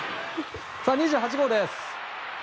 ２８号です。